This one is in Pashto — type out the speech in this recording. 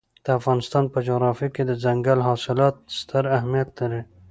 د افغانستان په جغرافیه کې دځنګل حاصلات ستر اهمیت لري.